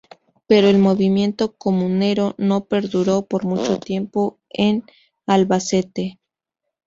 Pero el movimiento comunero no perduró por mucho tiempo en Albacete.